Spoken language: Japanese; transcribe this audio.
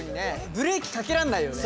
ブレーキかけらんないよね。